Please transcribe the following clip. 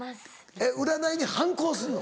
えっ占いに反抗するの？